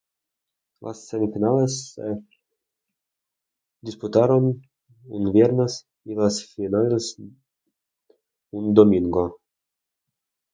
Las semifinales se disputaron un viernes y las finales un domingo.